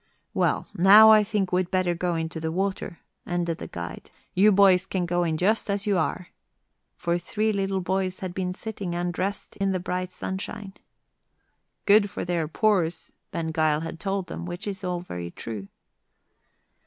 "Well, now I think we'd better go into the water," ended the guide. "You boys can go in just as you are." For three little boys had been sitting undressed in the bright sunshine. "Good for their pores," Ben Gile had told them, which is all very true.